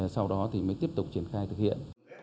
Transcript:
sau đó thì mới tiếp tục triển khai thực hiện